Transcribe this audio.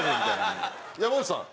山内さん。